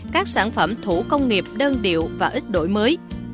các sản phẩm thủ công nghiệp đơn điệu và ít đổi mới